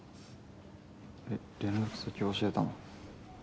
え連絡先教えたの？